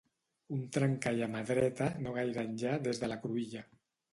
Un trencall a mà dreta, no gaire enllà des de la cruïlla.